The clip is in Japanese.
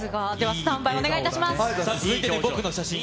スタンバイお願いします。